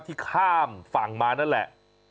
ที่ข้ามฝั่งมานั่นแหละ